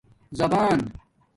زبان